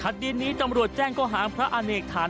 ดินนี้ตำรวจแจ้งก็หางพระอเนกฐาน